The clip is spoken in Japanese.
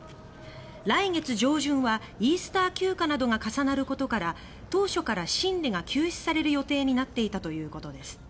来月上旬はイースター休暇などが重なることから当初から審理が休止される予定になっていたということです。